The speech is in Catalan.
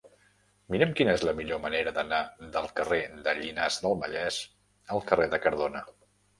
Mira'm quina és la millor manera d'anar del carrer de Llinars del Vallès al carrer de Cardona.